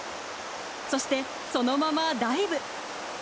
そしてそのままダイブ。